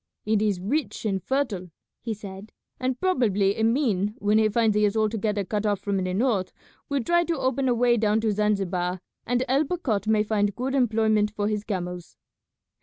"It is rich and fertile" he said; "and probably Emin when he finds he is altogether cut off from the north will try to open a way down to Zanzibar, and El Bakhat may find good employment for his camels."